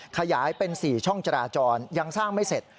ขยายเป็น๔ช่องจราจรยังสร้างไม่เสร็จ